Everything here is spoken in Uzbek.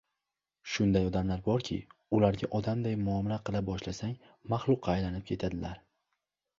Shunday odamlar borki, ularga odamday muomala qila boshlasang, maxluqqa aylanib ketadilar.